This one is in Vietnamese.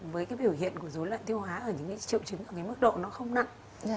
với biểu hiện dối loạn tiêu hóa ở những triệu chứng mức độ không nặng